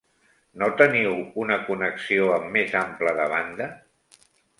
No teniu una connexió amb més ample de banda?